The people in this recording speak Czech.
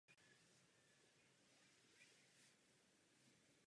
Pomoc nabídlo a poskytlo i Rusko.